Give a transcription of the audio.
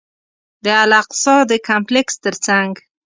د الاقصی د کمپلکس تر څنګ.